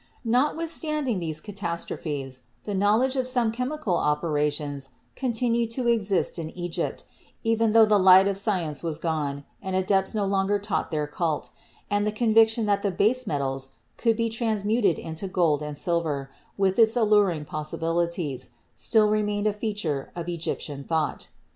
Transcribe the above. Notwithstanding these catastrophes, the knowledge of some chemical operations continued to exist in Egypt, even tho the light of science was gone and adepts no longer taught their cult, and the conviction that the base metals could be transmuted into gold and silver, with its alluring possibilities, still remained a feature of Egyptian thought.